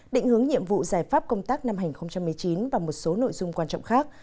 định hướng nhiệm vụ giải pháp công tác năm hai nghìn một mươi chín và một số nội dung quan trọng khác